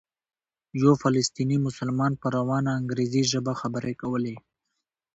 یو فلسطینی مسلمان په روانه انګریزي ژبه خبرې کولې.